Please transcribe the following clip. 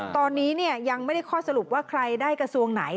ตอนนี้ยังไม่ได้ข้อสรุปว่าใครได้กระทรวงไหน